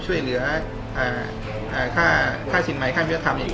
ช่วยเหนือค่าสินวัยค่ามิวธรรม